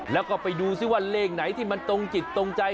แล้วก็ไปดูซิว่าเลขไหนที่มันตรงจิตตรงใจ